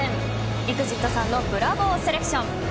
ＥＸＩＴさんのブラボーセレクション。